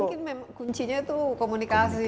mungkin kuncinya itu komunikasi